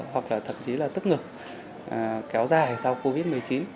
hoặc là thậm chí là tức ngực kéo dài sau covid một mươi chín